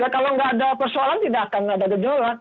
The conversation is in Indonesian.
kalau nggak ada persoalan tidak akan ada gejolak